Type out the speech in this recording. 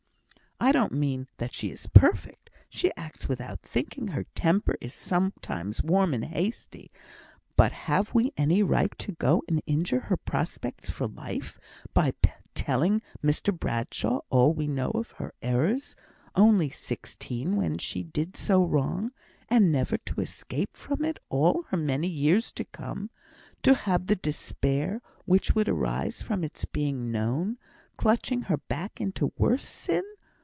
I don't mean that she is perfect she acts without thinking, her temper is sometimes warm and hasty; but have we any right to go and injure her prospects for life, by telling Mr Bradshaw all we know of her errors only sixteen when she did so wrong, and never to escape from it all her many years to come to have the despair which would arise from its being known, clutching her back into worse sin?